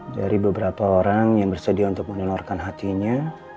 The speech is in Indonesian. dari beberapa orang yang bersedia untuk menelurkan hatinya